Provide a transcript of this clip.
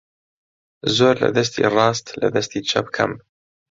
زۆر لە دەستی ڕاست لە دەستی چەپ کەم